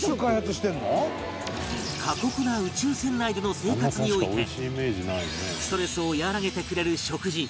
過酷な宇宙船内での生活においてストレスを和らげてくれる食事